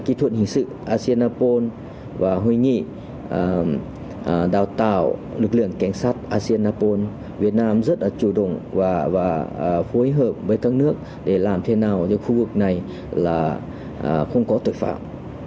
với lực lượng các nước asean apol và hội nghị đào tạo lực lượng cảnh sát asean apol việt nam rất là chủ động và phối hợp với các nước để làm thế nào cho khu vực này là không có tội phạm